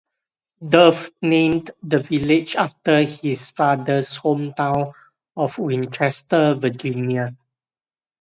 Dove named the village after his father's hometown of Winchester, Virginia.